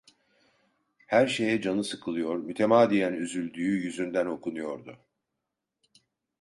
Her şeye canı sıkılıyor, mütemadiyen üzüldüğü yüzünden okunuyordu.